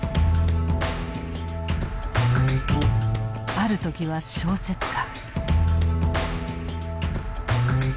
ある時は小説家。